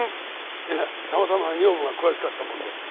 いやたまたま女房が詳しかったもんで。